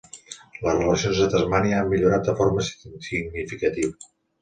Les relacions a Tasmània han millorat de forma significativa.